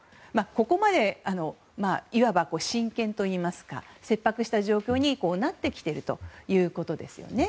ここまでいわば真剣といいますか切迫した状況になってきているということですよね。